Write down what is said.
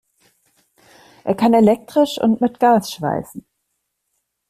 Er kann elektrisch und mit Gas schweißen.